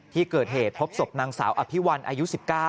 ที่เกิดเหตุพบศพนางสาวอภิวัลอายุ๑๙